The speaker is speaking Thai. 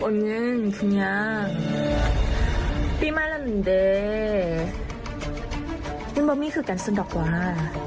นี่คือการสนดับหว่า